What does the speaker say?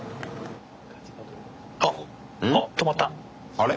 あれ？